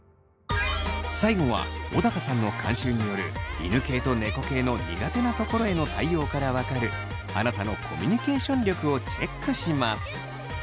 最後は小高さんの監修による犬系と猫系の苦手なところへの対応から分かるあなたのコミュニケーション力をチェックします。